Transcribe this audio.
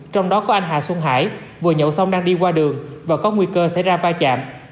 trong đó có anh hà xuân hải vừa nhậu xong đang đi qua đường và có nguy cơ xảy ra va chạm